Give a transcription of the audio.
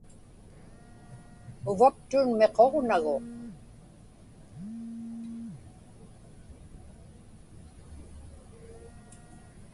Uvaptun miquġnagu.